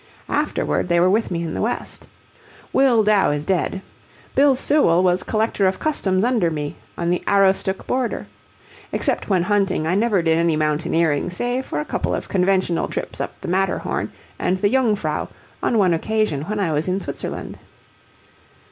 Afterward they were with me in the West. Will Dow is dead. Bill Sewall was collector of customs under me, on the Aroostook border. Except when hunting I never did any mountaineering save for a couple of conventional trips up the Matterhorn and the Jungfrau on one occasion when I was in Switzerland.